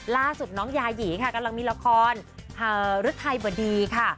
ล่าสุดน้องยาหยีค่ะกำลังมีละครฤทัยบดีค่ะ